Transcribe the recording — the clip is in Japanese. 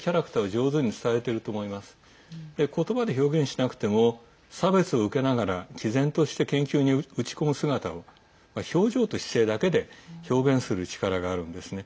言葉で表現しなくても差別を受けながら言葉で表現しなくても差別を受けながらきぜんとして研究に打ち込む姿を表情と姿勢だけで表現する力があるんですね。